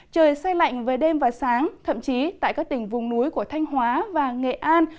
trời xe lạnh về đêm và sáng thậm chí tại các tỉnh vùng núi của thanh hóa và nghệ an